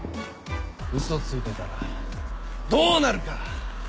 ウソついてたらどうなるか。